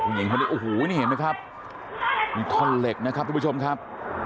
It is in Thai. โอ้โหนี่เห็นมั้ยครับมีท่อเหล็กนะครับทุกผู้ชมครับ